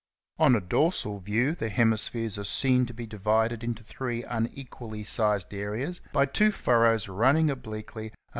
On a dorsal view the hemispheres are seen to be divided into three unequally sized areas by two furrows running obliquely and inch in length.